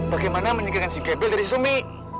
bagaimana menyingkirkan si kepil dari sumi